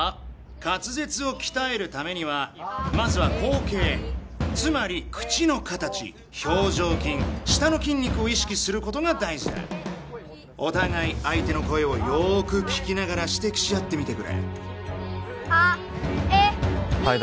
滑舌を鍛えるためにはまずは口形つまり口の形表情筋舌の筋肉を意識することが大事だお互い相手の声をよーく聞きながら指摘し合ってみてくれあえい